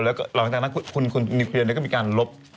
แล้วก็หลังจากนั้นคุณนิวเคลียร์ก็มีการลบ